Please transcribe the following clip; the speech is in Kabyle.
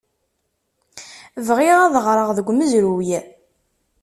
Bɣiɣ ad ɣreɣ deg umezruy.